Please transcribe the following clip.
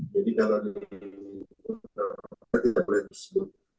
berubah menjadi anak yang berkonflik dengan hukum